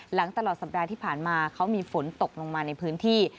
ตลอดสัปดาห์ที่ผ่านมาเขามีฝนตกลงมาในพื้นที่